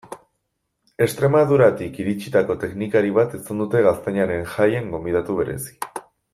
Extremaduratik iritsitako teknikari bat izan dute Gaztainaren Jaian gonbidatu berezi.